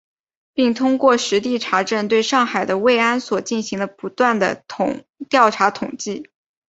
并通过实地查证，对上海的慰安所进行了不断地调查统计